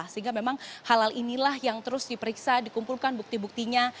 sehingga memang halal inilah yang terus diperiksa dikumpulkan bukti buktinya